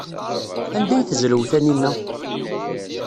Anda ay tezrew Taninna?